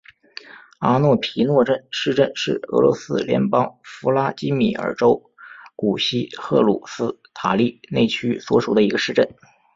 阿诺皮诺镇市镇是俄罗斯联邦弗拉基米尔州古西赫鲁斯塔利内区所属的一个市镇。